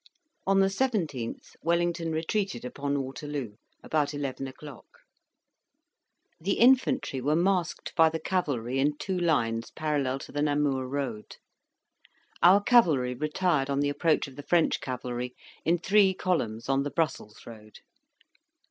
On the 17th, Wellington retreated upon Waterloo, about eleven o'clock. The infantry were masked by the cavalry in two lines, parallel to the Namur road. Our cavalry retired on the approach of the French cavalry, in three columns, on the Brussels road.